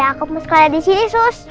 aku mau sekolah disini sus